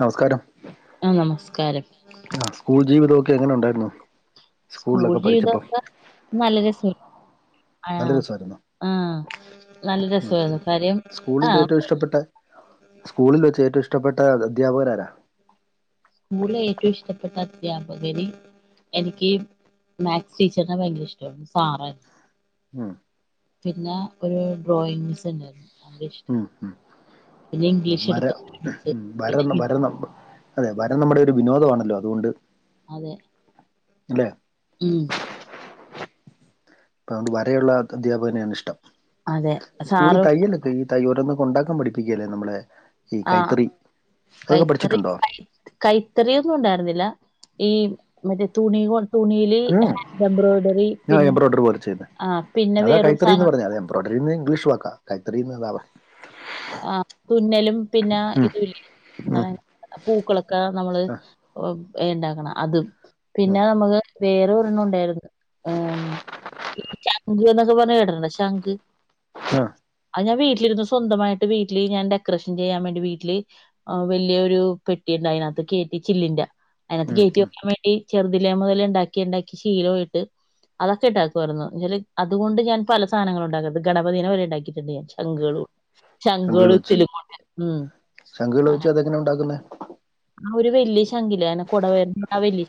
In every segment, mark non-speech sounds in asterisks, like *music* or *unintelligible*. നമസ്കാരം, ആഹ നമസ്കാരം. ആ സ്കൂൾ ജീവിതം ഒക്കെ എങ്ങനെ ഉണ്ടായിരുന്നു? സ്കൂൾ സ്കൂളിലൊക്കെ പഠിച്ചപ്പം ജീവിതക്കെ നല്ല രസ ആ നല്ല രസമായിരുന്നു ആഹ നല്ല രസായിരുന്നു. കാര്യം ആഹാ ഇഷ്ടപ്പെട്ടാ സ്കൂളിൽ വെച്ച് ഏറ്റവും ഇഷ്ടപ്പെട്ട അധ്യാപകരാരാ? സ്കൂൾള് ഏറ്റവും ഇഷ്ടപ്പെട്ട അധ്യാപകര്, എനിക്ക് മാക്സ് ടീച്ചറിനെ ഭയങ്കര ഇഷ്ട്ടായിരുന്നു, സാറെ - ഉും. പിന്നെ, ഒരു ഡ്രോയിങ് മിസ്സ്‌ന്നയിരുന്നു, ഉഹ് ഇംഗ്ലീഷ് വര എടുക്കുന്ന മിസ്സ് വര പിന്നെ ഹി വരണ് *unintelligible* അതെ, വര നമ്മുടെ ഒരു വിനോദ ആണല്ലോ, അതുകൊണ്ട്. അതെ, അല്ലെ ഉും അതുകൊണ്ട് വരെയുള്ള അധ്യാപകനെയാണ് ഇഷ്ടം, അതെ സ്കൂളിൽ സാറ് തയ്യലൊക്കെ ഈ തയ്യ് ഓരോന്നൊ ഒണ്ടാക്കാൻ പഠിപ്പിക്കേലെ നമ്മളെ, ഈ ആഹ് കൈത്തറി അതൊക്കെ കൈത്തറി പഠിച്ചിട്ടുണ്ടോ? കൈ കൈത്തറിയൊന്നും ഉണ്ടായിരുന്നില്ല, ഈ മറ്റേ തുണി കൊ- തുണീല് ഉം ഹാന്റ് എംബ്രോയിഡറി ആ പിന്നെ, എംബ്രോയ്ഡറി പോലെ ആ പിന്നെ വേറൊരു സാനം ഒണ്ടല്ലോ ബ്രോഡ്രി ന്ന് ഇംഗ്ലീഷ് വക്കാ കൈതറീന്നാണ്. ആഹ് തുന്നലും പിന്നെ ആ ഇതുല്ലേ, എന്താണ്, പൂക്കളൊക്ക നമ്മള് ഇണ്ടാക്കണം അതും ആഹ് പിന്ന ആഹ് നമ്മുക്ക് വേറെ ഒരെണ്ണം ഉണ്ടായിരുന്നു ആ, ശംഖ് ന്നൊക്കെ പറഞ്ഞത് കേട്ടിട്ടൊണ്ടോ? ശംഖ് ആഹാ അത് ഞാൻ വീട്ടിലിരുന്ന് സ്വന്തമായിട്ട് വീട്ടില് ഞാൻ ഡെക്കറേഷൻ ചെയ്യാൻ വേണ്ടി വീട്ടില്- ആ വലിയൊരു പെട്ടിയൊണ്ട്, അതിനകത്ത് കയറ്റി ചില്ലിന്റെ. അതിനകത്ത് ഉം കയറ്റി ഉം വെക്കാൻ വേണ്ടി ചെറുതിലേ മുതലെ ഉണ്ടാക്കി ഉണ്ടാക്കി ശീലായിട്ട് അതൊക്കെ ഉണ്ടാക്കുമായിരുന്നു. എന്നാ അതുകൊണ്ട് ഞാൻ പല സാധനങ്ങളും ഉണ്ടാക്കുന്നത്, ഗണപതിനെ വരെ ഉണ്ടാക്കിയിട്ടുണ്ട് ഞാൻ ശഖ്‌കളുകൊണ്ട്. ശംഖുള്‌ വെച്ച്. ശംഖകള്‌ അങ്ങനെ വെച്ച് അതെങ്ങനെ ഉണ്ടാക്കുന്നെ? ആ ഒരു വലിയ ശംഖില്ലെ അനെ കുടവയറി ആവില്ലെ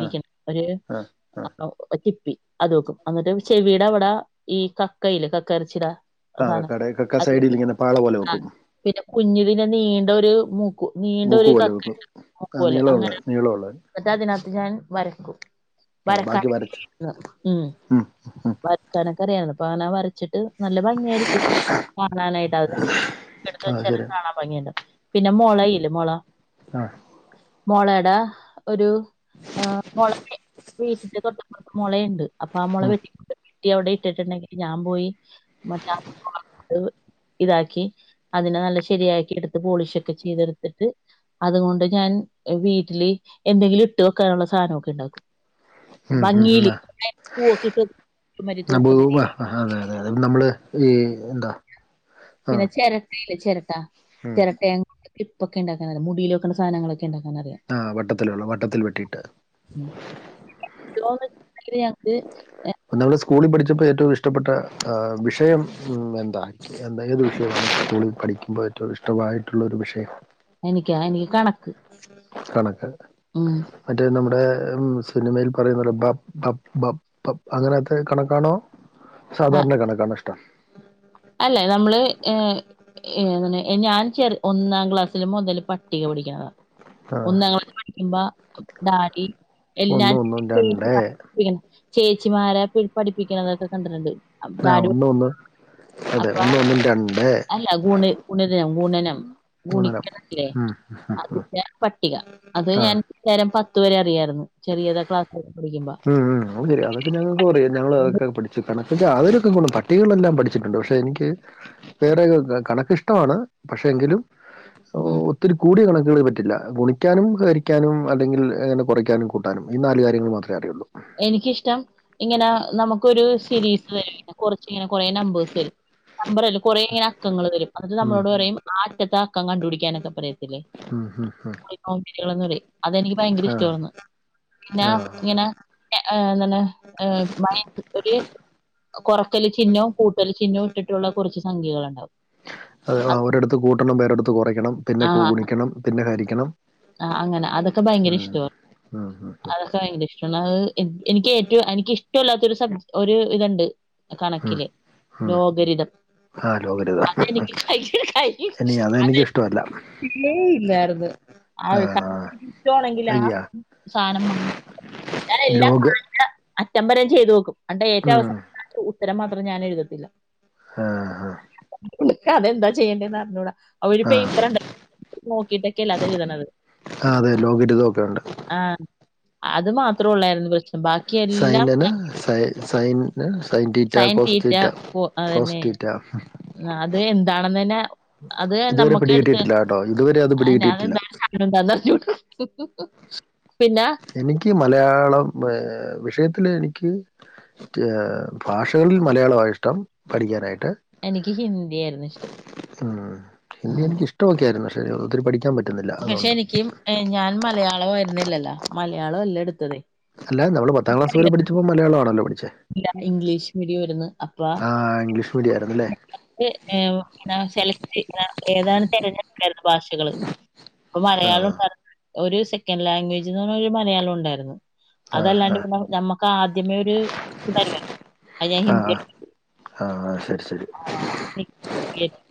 ആഹ് ഒരു, ആഹ് ആഹ് *unintelligible* ഒര് ചിപ്പി അത് വെക്കും അന്നിട്ട് ചെവിടെ അവടെ ഈ കക്കയില്ലേ കക്ക ഇറചീടാ, ആഹ് കക്കായുടെ കക്ക സൈഡിൽ ഇങ്ങനെ പാള പോലെ ആ വെക്കും. പിന്നെ കുഞ്ഞുതിനെ നീണ്ട ഒരു മൂക്ക് മൂക്ക് നീണ്ടൊരു പോലെ വെക്കും കക്കൻ്റെ ആഹ് മൂക്കുപൊലെ നീളമുള്ള അങ്ങനെ നീളമുള്ള അതിനകത്ത് ഞാൻ വരക്കും. ആഹ് വരക്കാൻ ബാക്കി വരച്ചു *unintelligible* ഉം വരക്കാനൊക്കെ അറിയാണ് അങ്ങനൊക്കെ വരച്ചിട്ട് നല്ല ഭംഗിയായിരിക്കും. കാണാനായിട്ടാ അ ഇടുത്ത് ആഹ് വെച്ചാല് ശരി കാണാൻ ഭംഗിയുണ്ട് പിന്നെ മുള ഇല്ലേ മുള. ആ മൊളയുടെ ഒരു ആ മൊള വീട്ടന്റെ തൊട്ടപറത്ത് മൊളയ്ണ്ട് അപ്പൊ ആ മൊള വെട്ടി വട്ടി അവിടെ ഇട്ടിട്ടുണ്ടെങ്കിൽ ഞാൻ പോയി മറ്റാ ഇതാക്കി അതിനെ നല്ല ശരിയാക്കി എടുത്ത് പോളിഷ് ഒക്കെ ചെയ്തെടുത്ത് എടുത്തിട്ട് അതുകൊണ്ട് ഞാൻ വീട്ടില് എന്തെങ്കിലും ഇട്ട് വെക്കാനുള്ള സാധനമൊക്കെ ഉണ്ടാക്കും. ഉം ഉം ഭംഗില് പൂവൊക്കെയിട്ട് മറ്റേ തൂക്കണ രീതി. ആ അതെ അതെ അതെ നമ്മള് ഈ എന്താ പിന്നെ ആഹ് ചെരട്ടയില്ലേ ചെരട്ട ഉം ചെരട്ട ക്ലിപ്പൊക്കെ ഉണ്ടാക്കാനറിയാ മുടി വക്കണ സധനങ്ങളൊക്കെ ണ്ടാക്കാനറിയാം ആ വട്ടത്തില്‌ വട്ടത്തിൽ വെട്ടിയിട്ട് *unintelligible* യാക്ക് നമ്മള് സ്കൂളിൽ പഠിച്ചപ്പോ ഏറ്റവും ഇഷ്ടപ്പെട്ട വിഷയം എന്താ എന്തായത് വിഷയം സ്കൂളിൽ പഠിക്കുമ്പോ ഏറ്റവും ഇഷ്ടമായിട്ടുള്ളൊ ഒരു വിഷയം എനിക്കൊ എനിക്ക് കണക്ക് കണക്ക് ഉം മറ്റേ നമ്മുടെ സിനിമയിൽ പറയുന്നത് ബപ്പ് ബപ്പ് ബപ്പ് അപ്പ അങ്ങനത്തെ കണക്കാണോ സാധാരണ കണക്കാണോ ഇഷ്ടം അല്ല നമ്മള് ഏ ഏങ്ങെനെ ഞാൻ ചെറുപ്പം ഒന്നാം ക്ലാസ്സില് മുതൽ പട്ടിക പടിക്കണതാണ്. ആ ഒന്നാം ക്ലാസില് പഠിക്കുമ്പോ ടാലി എല്ലാ ഒന്ന് ഒന്നും രണ്ട് *unintelligible* ചേച്ചിമാരെ പഠിപ്പിക്കണതൊക്കെ കണ്ടിട്ടുണ്ട്. ആ ഒന്ന് ഒന്ന് അതെ അപ്പ ഒന്ന് ഒന്നും രണ്ട് അല്ല ഗുണ് ഗുണന് ഗുണനം ഗുണനം ഗുണികണല്ലേ ഉം, അതിന്റെ പട്ടിക അത് ആ ഞാൻ നേരം പത്ത് വരെ അറിയായിരുന്നു ചെറിയതാ ക്ലാസൊക്കെ പഠിക്കുമ്പോ. ഉം അത് ശരി അതൊക്കെ ഞങ്ങൾക്കും അറയാം ഞങ്ങൾതൊക്കെ പഠിച്ചു കണക്കെ അവലൊക്കെ പട്ടികളെല്ലാം പഠിച്ചിട്ടുണ്ട് പക്ഷെ പക്ഷെ എനിക്ക് വേറെ കണക്കിഷ്ടമാണ് പക്ഷെ എങ്കിലും ഉം ഇതൊരു കൂടിയ കണക്കുകൾ പറ്റില്ല ഗുണിക്കാനും ഹരിക്കാനും അല്ലെങ്കിൽ അങ്ങനെ കുറയ്ക്കാനും കൂട്ടാനും ഈ നാല് കാര്യങ്ങൾ മാത്രേ അറിയൊള്ളൂ. എനിക്കിഷ്ടം ഇങ്ങനെ നമുക്കൊരു സീരീസ് വരില്ലെ കൊറച്ച് ഇങ്ങനെ കൊറേ നമ്പേഴസ് വരും നമ്പറില്ലെ, കൊറേ അങ്ങനെ അക്കങ്ങൾ വരും അത് ഉം, നമ്മളോട് പറയും ആദ്യത്തെ അക്കം കണ്ടു പിടിക്കാനൊക്കെ പറയും. ഉം, ഉം, ഉം. അതെനിക്ക് ഭയങ്കര ആ ഇഷ്ടമാണ് പിന്നെ ആഹ് ഇങ്ങനെ ആ എന്താണ് ആഹ് മയ ഒര് കൊറയ്ക്കൽ ചിഹ്നവും കൂട്ടൽ ചിഹനവും ഇട്ടിട്ടുള്ള കുറച്ച് സംഖ്യകൾ ഉണ്ടാവും. അവരടത്ത് കൂട്ടണം വേറെ ഒരിടത്ത് കുറയ്ക്കണം പിന്നെ ഗുണിക്കണം പിന്നെ ഹരിക്കണം ആ, അങ്ങനെ അതൊക്കെ ഭയങ്കര ഉം ഇഷ്ടവാ ഉം ഉം ഉം അതെ ഇക്ക് ഭയങ്കരഷ്ടാണ് അഹ് എനിക്ക് ഏറ്റവും എനിക്ക് ഇഷ്ടല്ലാത്ത ഒരു സബ്ജ ഒരു ഇതൊണ്ട്. ഉം കണക്കില് ഉം ലോകരിതം ആ ലോകരഹിതം അതെനിക്ക് ക *unintelligible* ഇനി അതെനിക്ക് ഇഷ്ടമല്ല ഇല്ലേ ഇല്ലായിര്ന്ന് *unintelligible* ആഹ് ട്ടണെങ്കില് ആ അയ്യ സാനം വങ്ങ ഞൻ എല്ലാം ലോഗ് ഫാൻ്റെ അറ്റം വരെ ചെയ്തു നോക്കും അന്ന്ട്ടെ ഏറ്റ ഉം അവസാനത്തെ ഉത്തരം മാത്രം ഞാൻ എഴുതത്തില്ല. ആ ആ ഇൻക്ക് അതെന്താ ചെയ്യണ്ടേന്ന് അറിഞ്ഞൂടാ ഒരു ആ പേപ്പർ ഇണ്ട്, നോക്കിട്ടൊക്കെയല്ല അത് എഴുതണത്. ആ അതെ ലോകറ്റ് ഇതൊക്കെ ഉണ്ട്. ആഹ അത് മാത്ര ഉള്ളായിരുന്നു *unintelligible* എല്ലാം സൈനന ഞാൻ sign sign സൈന്റ്റ sine theta cos theta അതന്നെ കോസ്റ്ററ്റ അത് എന്താണെന്ന് ന്നെ അത് ഇതുവരെ നമ്മക്ക് എട്ത്തെ പിടികിട്ടിയിട്ടില്ല കേട്ടോ ഇതുവരെ അത് പിടികിട്ടിയിട്ടില്ല അതെന്നെ *unintelligible* എന്താന്നറിഞ്ഞുടെ *unintelligible* പിന്നെ എനിക്ക് മലയാളം ഏ വിഷയത്തില് എനിക്ക് ഏ ഭാഷകളിൽ മലയാളമാ ഇഷ്ടം പഠിക്കാനായിട്ട് എനിക്ക് ഹിന്ദി ആയിരുന്നു ഇഷ്ടം ആഹ ത്ത്നോക്കിയായിരുന്നു പക്ഷേഅന്ന് ഒത്തിരിപഠിക്കാൻ പറ്റി പക്ഷെ എനിക്കും ഞാൻ മലയാളം വരുന്നില്ലല്ലോ മലയാള അല്ല ടുത്തത് അല്ലയിരുന്നു അമ്മള് പത്താം ക്ലസ് വരെ പഠിച്ചപ്പോ മലയാളമാണല്ലോ പഠിച്ചേ ഇല്ല ഇംഗ്ലീഷ് മീഡിയം ആയിരുന്നു അപ്പ ആ ഇംഗ്ലീഷ് മീഡിയം ആയിരുന്നു അല്ലേ *unintelligible* സെലകട് ഏതാണ് തിരഞ്ഞെടുക്കായിരുന്നു ഭാഷകള് അപ്പ ആ മലയാളം ഉണ്ടായിരുന്ന് ഒരു സെക്കൻഡ് ലാംഗ്വേജ് എന്ന് പറഞ് ഒരു മലയാളം ഉണ്ടായിരുന്നു ആ ആ അതല്ലാണ്ട് പിന്നെ നമ്മക്ക് ആദ്യമേ ഒരു *unintelligible* അഹ് ഞാൻ ആ ആ ഹിന്ദി എടുത്തെ ആ ആ ശരി ശരി ആ *unintelligible*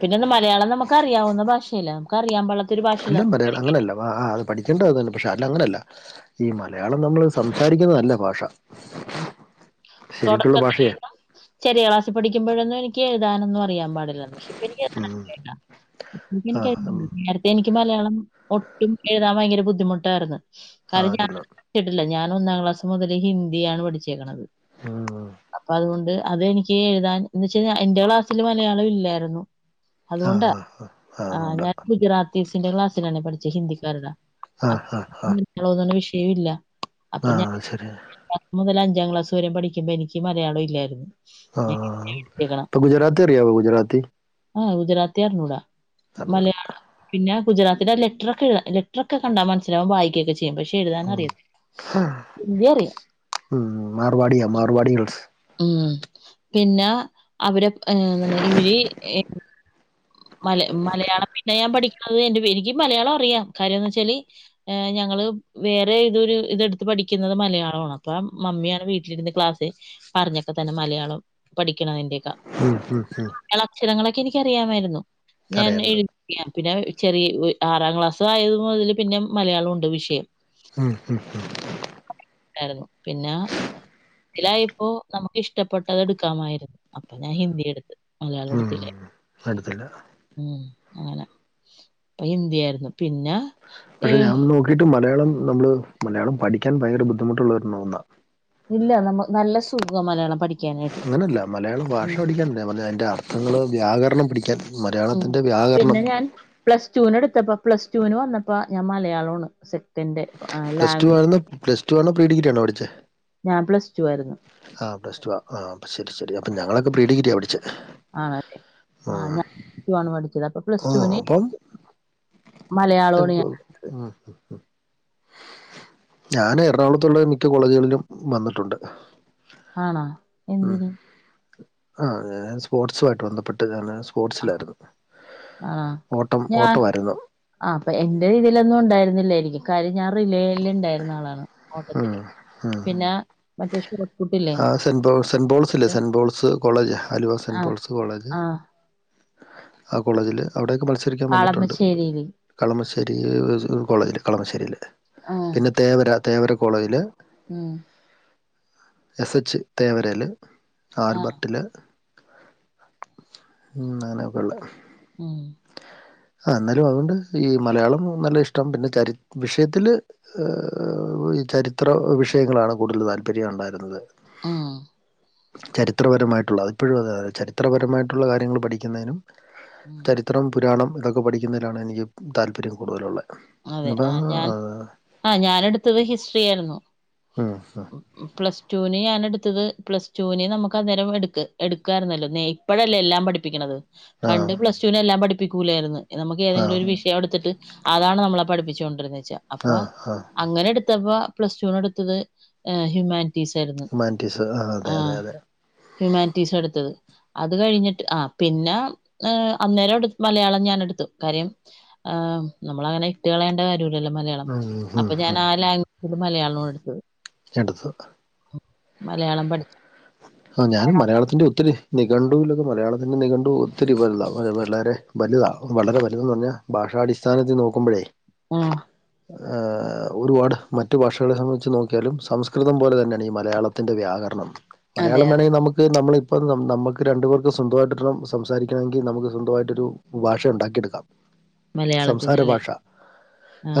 പിന്നന്ന് മലയാളം നമുക്ക് അറിയാവുന്ന ഭാഷയല്ലെ നമുക്ക് അറിയാൻ പാട്ള എല്ലാം മലയാളം അങ്ങനല്ല ആ ആ അത് പഠിക്കേണ്ട അത് തന്നെ പക്ഷെ അല്ല അങ്ങനെയല്ല ഈ മലയാളം നമ്മള് സംസാരിക്കുന്നത് അല്ല ഭാഷ ഉ ശരിക്കുള്ള തൊടക്കത്തി ഭാഷയെ ലീവ ചെറിയ ക്ലാസി പഠിക്ക്മ്പഴൊന്നും എനിക്ക് എഴുതാനൊന്നും അറി യാൻ പാടില്ല ഉം. *unintelligible* ആ എനിക്ക് *unintelligible* ഉം. എനിക്ക് *unintelligible* എനിക്ക് മലയാളം ഒട്ടും എഴുതാൻ ഭയങ്കര ബുദ്ധിമുട്ടായിരുന്നു ആ കാരണം ഞാൻ അതൊന്ന് ച്ചിട്ടില്ല ഞാൻ ഒന്നാം ക്ലാസ് മുതൽ ഹിന്ദിയാണ് പഠിച്ചേക്ക്ണത് ഉം. അപ്പൊ അതുകൊണ്ട് അതെനിക്ക് എഴുതാൻ എന്ന് വെച്ചാ എന്റെറെ ക്ലാസ്സിൽ മലയാളം ഇല്ലായിരുന്നു ആ അതുകൊണ്ടാ ആ ആ ആ അതുകൊണ്ടാ ഞാൻ ഗുജറാത്ത് ഫിൽസിന്റെ ക്ലാസ്സിലാണ് പഠിചെ ഹിന്ദിക്കാരുടെ ആ ആ ആ *unintelligible* വിഷയവും ഇല്ല അപ്പ ഞ അത് ശരിയ *unintelligible* മുതൽ അഞ്ചാം ക്ലാസ് വരെ പഠിക്കുമ്പോ എനിക്ക് മലയാളം ഇല്ലായിരുന്നു ഞാൻ ആഹ പഠിച്ചേക്കണം. അപ്പ ഗുജറാത്തി അറിയാവോ ഗുജറാത്തി ആ ഗുജറാത്തി അറിഞ്ഞൂടാ. മലയാളം *unintelligible* പിന്നെ ഗുജറത്തിന്റെ ലെറ്ററൊക്കെ എയ്താ ലെറ്ററക്കെ കണ്ടാ മനസിലാവും വായിക്കൊക്കെ ചെയ് പക്ഷെ ഉം. എഴുതാനറിയത്തില്ല ഹിന്ദി അറിയാം ഉം മാർവാടിയാ മാർവാടി ഗേൾസ് ഉം പിന്നെ അവര *unintelligible* ഇവര് മല മലയാള പി ഞാൻ പഠിക്കനത് *unintelligible* എനിക്ക് മലയാളം അറിയാം കാര്യംന്നച്ചാല് ് ഞങ്ങള് വേറെ ഇതൊരു ഇതെടുത്ത് പഠിക്കുന്നത് മലയാളമാണ് അപ്പൊ മമ്മിയാണ് വീട്ടിലിരുന്ന് ക്ലാസ് പറഞ്ഞൊക്കെ തന്നെ മലയാളം പഠിക്കണതിന്റെയൊക്ക *unintelligible* ഞൾ അക്ഷരങ്ങളൊക്കെ എനിക്കറിയാമായിരുന്നു ഞാൻ അറിയായിരുന്നു എഴു പിന്നെ ചെറിയ ആറാം ക്ലാസ് ആയത് മുതൽ പിന്നെ മലയാളംണ്ട് വിഷയം ഹഹ ഹ ഹ ായിരുന്നു പിന്നെ ത്തിലായിപ്പോ നമുക്ക് ഇഷ്ടപ്പെട്ടത് എടുക്കാമായിരുന്നു അപ്പൊ ഞാൻ ഹിന്ദി എടുത്ത് മലയാളം എടുത്തില്ലേ എടുത്തില്ല ഉം അങ്ങനെ അപ്പൊ ഇന്ത്യയായിരുന്നു പിന്നെ ഏ പക്ഷെ ഞാൻ നോക്കിയിട്ട് മലയാളം നമ്മള് മലയാളം പഠിക്കാൻ ഭയങ്കര ബുദ്ധിമുട്ടുള്ളള്ളവരുണ്ന്നാ ഇല്ല, നമ്മ നല്ല സുഖാ മലയാളം പഠി അങ്ങനെയല്ല, മലയാളം ഭാഷ പഠിക്കാനല്ല പറഞ്ഞ അതിൻ്റെ അർത്ഥങ്ങള് വ്യാകരണം പടിക്കാൻ ഉം മലയാളത്തിൻ്റെ വ്യാകരണം പിന്നെ ഞാൻ പ്ലസ് ടുവിന് എടുത്തപ്പ പ്ലസ് ടുവിന് വന്നപ്പോ ഞാൻ മലയാളാണ് സെ പ്ലസ്ടൂ അർന്നോ പ്ലസ്ടൂ ആണോ പ്രീ ഡിഗ്രി ആണോ പഠിച്ചേ? ഞാൻ പ്ലസ്ടൂ ആയിരുന്നു. ആ പ്ലസ്ടൂ ആ ആ അപ്പൊ ശരി ശരി ഞങ്ങളൊക്കെ പ്രീഡിഗ്രിയാ പഠിച്ചേ. ആണല്ലെ ആ ഞാൻ ടൂ ആണ് പഠിച്ചേത് അപ്പൊ ഓ പ്ലസ്ടുവിന് അപ്പം മലയാളോണ് ഞാൻ ആഹ്‌. ഞാന് എറണാകുളത്തുള്ള മിക്ക കോളേജുകളിലും വന്നിട്ടുണ്ട്. ആണൊ? മ്മ് ആ ഞാൻ സ്പോർട്സുമായിട്ട് ബന്ധപ്പെട്ട് ഞാന് ആ സ്പോർട്സിലായിരുന്നു, ആ ഓട്ടം ഞാൻ ഓട്ടവാരുന്നു. ആ അപ്പ എന്റെ ഇതിലൊന്നും ഉണ്ടായിരുന്നില്ലായിരിക്കും കാര്യം ഞാൻ റിലേ യിലുണ്ടായിര്ന്ന ആളാണ് ഉം, ഓട്ടത്തില് ഉം. പിന്നെ മറ്റേ ഷോർട്ട്പുട്ടില് ആ സെൻബോൾസ് സെൻ ബോൾസില്ലേ, സെൻബോൾസ് കോളേജ് ആലുവ ആ സെൻബോൾസ് കോളേജ്. ആ ആ കോളേജില് അവിടൊക്കെ മത്സരിക്കാൻ വന്നിട്ടുണ്ട്. പാളമശ്ശേരിയില് കളമശ്ശേരി ഒര് കോളേജില്ലെ? കളമശ്ശേരിയില്. ആഹ്‌. പിന്നെ തേവര തേവര കോളേജില് ഹമ്. എസ്. എച്ച് തേവരേല് ആഹ് ആർബർട്ടില് ഉം അങ്ങാനൊക്കള്ളത് ഹമ്. ആ ന്നാലും അതുകൊണ്ട് ഈ മലയാളം നല്ല ഇഷ്ടം പിന്നെ ചരി വിഷയത്തില് ഈ ചരിത്ര വിഷയങ്ങളാണ് കൂടുതൽ താല്പര്യം ഉണ്ടായിരുന്നത്. ആഹ്‌. ചരിത്രപരമായിട്ടുള്ള അതിപ്പോഴും അതെ ചരിത്രപരമായിട്ടുള്ള കാര്യങ്ങൾ പഠിക്കുന്നതിനും ഉം ചരി ത്രം പുരാണം ഇതൊക്കെ പഠിക്കുന്നതിലാണ് എനിക്ക് താല്പര്യം കൂടുതലുള്ള ഇപ്പോൾ അത് ആഹ്‌, ഞാൻ എടുത്തത് ഹിസ്റ്റ്റി ആയിരുന്നു. *unintelligible* പ്ലസ് ടൂവിന് ഞാൻ എടുത്തത് പ്ലസ് ടുവിന് നമ്മക്ക് അന്നേരം എടുക്ക് എടുക്കാരുന്നല്ലോ നേ ഇപ്പഴല്ലേ എല്ലാം പഠിപ്പിക്കുന്നത്. ആ പണ്ട് പ്ലസ് ടൂവിന് എല്ലാം പഠിപ്പിക്കൂലായിരുന്ന്, നമ്മക്ക് ആ ഏതെങ്കിലും ഒരു വിഷയം എടുത്തിട്ട് അതാണ് നമ നമ്മളെ പഠിപ്പിച്ചോണ്ടിരുന്നേച്ച അപ്പ ആ ആ അങ്ങനെ എടുത്തപ്പോ പ്ലസ്ടൂന്ട്ത്തത് ഏ ഹ്യുമാനി റ്റീസയിരുന്നു ഹ്യൂമാനിറ്റീസ് ആ അതെ അതെ ആഹ് അതെ ഹ്യുമാനിറ്റീസായെടുത്തത് അത് കഴിഞ്ഞിട്ട് ആ പിന്നെ ഏ അന്നേരം എടു മലയാളം ഞാൻ എടുത്തു കാര്യം ആഹ്‌ നമ്മളങ്ങനെ ഇട്ടുകളയേണ്ട കാര്യല്ലല്ലോ മലയാളം ഉം, ഉം, അപ്പൊ ഞാൻ ഉം. ആ ലാംഗ ഇത് മലയാളാണ് എടുത്തത്. *unintelligible* മലയാളം പഠിക്കാ ആ ഞാനും മലയാളത്തിന്റെ ഒത്തിരി നികണ്ടുലൊക്കെ മലയാളത്തിന്റെ നികണ്ടു ഒത്തിരി വലുതാ വലെ വളരെ വലുതാ വളരെ വലുതന്ന് പറഞ്ഞാ ഭാഷാടിസ്ഥാനത്തിൽ നോക്കുമ്പോഴേ ഉം *inaudible* ഒരുപാട് മറ്റു ഭാഷകളെ വെച്ച് നോക്കിയാലും സംസ്കൃതം പോലെ തന്നെയാണ് ഈ മലയാളത്തിൻ്റെ വ്യാകരണം. അതെ മലയാളം വേണേ അതെ നമു ക്ക് നമ്മളിപ്പം നമുക്ക് രണ്ടുപേർക്കും സ്വന്തമായിട്ടിണം സംസാരിക്കണമെങ്കിൽ നമുക്ക് സ്വന്തമായിട്ടൊരു ഭാഷ ഉണ്ടാക്കിയെടുക്കാം സംസാര മലയാളത്തിനല്ലേ ഭാഷ,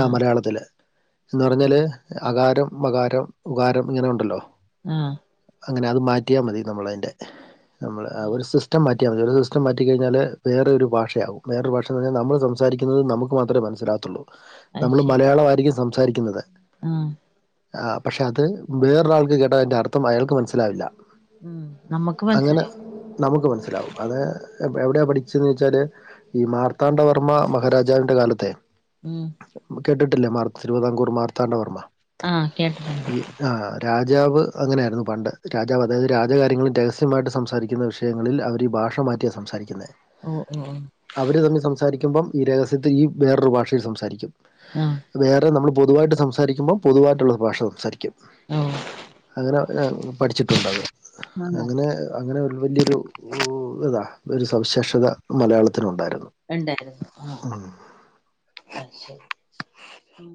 ആ മലയാളത്തില് എന്ന് പറഞ്ഞാല് അകാരം, മകാരം, ഉകാരം, ഇങ്ങനെ ഉണ്ടല്ലോ. ആ അങ്ങനെ അത് മാറ്റിയാൽ മതി നമ്മള അതിൻ്റെ നമ്മൾ ആഹ് ഒരു സിസ്റ്റം മാറ്റി ഒരു സിറ്റിഴിഞ്ഞാൽ വേറൊരു ഭാഷയാവും വേറേ ഭാഷന്ന് പറഞ്ഞാൽ നമ്മൾ സംസാരിക്കുന്നത് നമുക്ക് മാത്രെ മനസ്സിലകത്തുള്ളൂ അത് നമ്മൾ ശരി മലയാള ആയിരിക്കും സംസാരിക്കുന്നത് ആഹ് ആ പക്ഷെ അത് വേറൊരാൾക്ക് കേട്ടതിന്റെ അർത്ഥം അയാൾക്ക് മനസ്സിലാവില്ല ഉം നമ്മുക്ക് അങ്ങനെ മനസ്സിലാവും നമുക്ക് മനസ്സിലാവും അത് എവിടെയാ പഠിച്ചന്ന് വെച്ചാല് ഈ മാർത്താണ്ഡവർമ്മ മഹാരാജാവിന്റെ കാലത്തെ ഉം കേട്ടിട്ടില്ലേ മാർ തിരുവിതാംകൂർ മാർത്താണ്ടവർമ്മ ആ കേട്ടട്ടണ്ട് ആ രാജാവ് അങ്ങനെയായിരുന്നു പണ്ട് രാജാവ് അതായത് രാജകാര്യങ്ങളിൽ രഹസ്യമായിട്ട് സംസാരിക്കുന്ന വിഷയങ്ങളിൽ അവര് ഭാഷ മാറ്റിയാണ് സംസാരിക്കുന്നത് ഓ ഓ ഓ അവര് തമ്മിൽ സംസാരിക്കുമ്പം ഈ രഹസ്യത്തിൽ ഈ വേറൊരു ഭാഷയിൽ സംസാരിക്കും ആ വേറെ നമ്മൾ പൊതുവായിട്ട് സംസാരിക്കുമ്പോ പൊതുവായിട്ടുള്ള ഭാഷ സംസാരിക്കും ആഹ് ഓഹ് അങ്ങനെ പഠിച്ചിട്ടുണ്ട്ത് ആഹ് അങ്ങനെ അങ്ങനെ ഒരു വലിയൊരു ഇതാ ഒരു സവിശേഷത മലയാളത്തിനുണ്ടായിരുന്നു ഉണ്ടായിരുന്നു ആ ആ ശരി